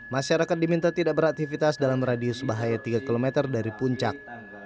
masyarakat diminta tidak beraktivitas dalam radius bahaya tiga km dari puncak